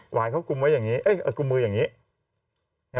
หวายเขากลุ่มไว้อย่างนี้เอ้ยกลุ่มมืออย่างนี้